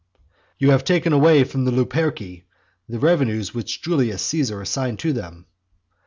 "You have taken away from the Luperci the revenues which Julius Caesar assigned to them."